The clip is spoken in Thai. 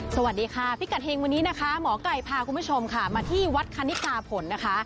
สวัสดีค่ะพิกัดเฮงวันนี้นะคะหมอไก่พาคุณผู้ชมค่ะมาที่วัดคณิกาผลนะคะ